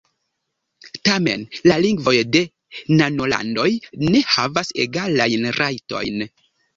Tamen la lingvoj de nanolandoj ne havas egalajn rajtojn.